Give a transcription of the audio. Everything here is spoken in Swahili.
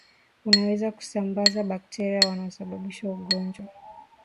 unaweza kusambaza bakteria wanaosababisha ugonjwa